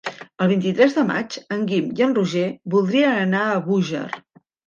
El vint-i-tres de maig en Guim i en Roger voldrien anar a Búger.